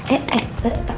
eh eh eh pak